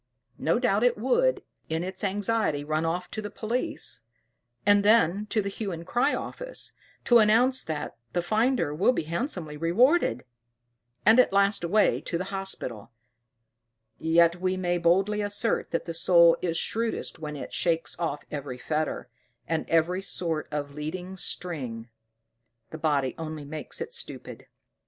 No doubt it would, in its anxiety, run off to the police, and then to the "Hue and Cry" office, to announce that "the finder will be handsomely rewarded," and at last away to the hospital; yet we may boldly assert that the soul is shrewdest when it shakes off every fetter, and every sort of leading string the body only makes it stupid.